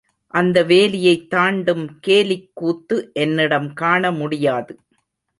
அந்த வேலியைத் தாண்டும் கேலிக் கூத்து என்னிடம் காண முடியாது.